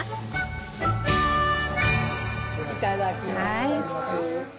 いただきます。